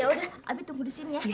yaudah abi tunggu di sini ya